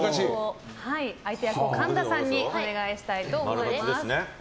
相手役を神田さんにお願いしたいと思います。